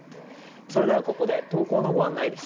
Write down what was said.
それではここで投稿のご案内です。